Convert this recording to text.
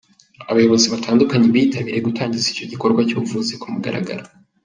Abayobozi batandukanye bitabiriye gutangiza icyo gikorwa cy’ubuvuzi ku mugaragaro.